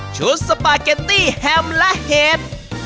๓ชุดสปาเก็ตตี้แฮมและเห็ด